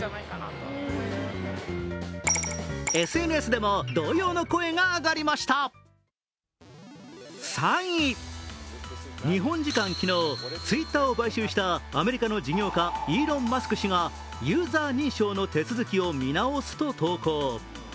ＳＮＳでも同様の声が上がりました日本時間昨日、Ｔｗｉｔｔｅｒを買収したアメリカの事業家イーロン・マスク氏がユーザー認証の手続きを見直すと投稿。